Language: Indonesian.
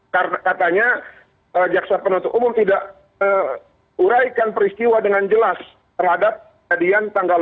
karena katanya jaksa penutup umum tidak uraikan peristiwa dengan jelas terhadap kejadian tanggal empat